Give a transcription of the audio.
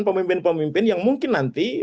pemimpin pemimpin yang mungkin nanti